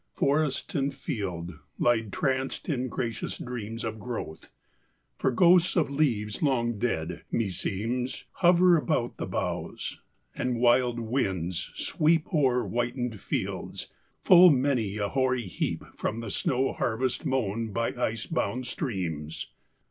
Forest and field lie tranced in gracious dreams Of growth, for ghosts of leaves long dead, me seems, Hover about the boughs; and wild winds sweep O'er whitened fields full many a hoary heap From the storm harvest mown by ice bound streams!